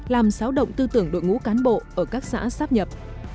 làm xáo động tư tưởng đội ngũ cán bộ ở các xã sắp nhập